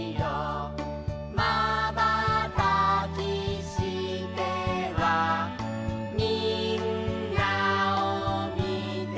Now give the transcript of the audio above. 「まばたきしてはみんなをみてる」